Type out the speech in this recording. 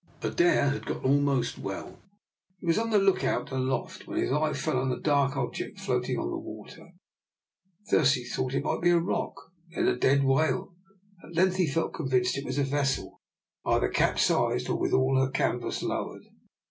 Adair had got almost well: he was on the lookout aloft, when his eye fell on a dark object floating on the water. At first he thought it might be a rock, then a dead whale. At length he felt convinced that it was a vessel, either capsized or with all her canvas lowered.